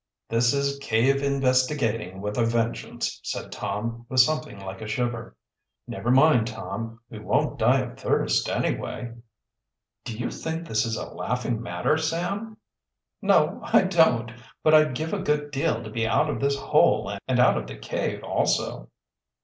"This is cave investigating with a vengeance," said Tom, with something like a shiver. "Never mind, Tom, we won't die of thirst anyway." "Do you think this is a laughing matter, Sam?" "No, I don't. I'd give a good deal to be out of this hole and out of the cave also."